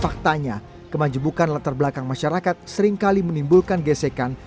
faktanya kemanjemukan latar belakang masyarakat seringkali menimbulkan gesekan